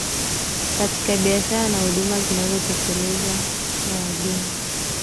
katika biashara na huduma zinatekelezwa na wageni